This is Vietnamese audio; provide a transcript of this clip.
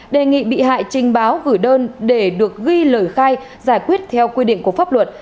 đề nghị bị hại trình báo gửi đơn để được ghi lời khai giải quyết theo quy định của pháp luật